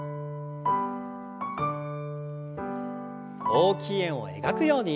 大きい円を描くように。